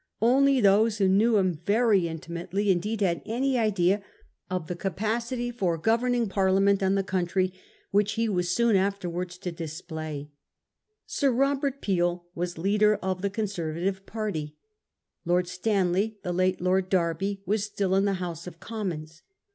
Only those who knew him very intimately 38 A HISTORY OF OUR OWN TIMES. CH. II. indeed had any idea of the capacity for governing Parliament and the country which he was soon after wards to display. Sir Robert Peel was leader of the Conservative party. Lord Stanley, the late Lord Derby, was still in the House of Com m ons.